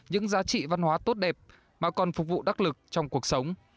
những giá trị văn hóa tốt đẹp mà còn phục vụ đắc lực trong cuộc sống